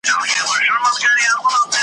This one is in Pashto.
له کلو مي نمک خور پر دسترخوان دي .